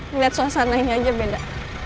ngeliat suasana ini aja beda